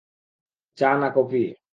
চা, না কফি?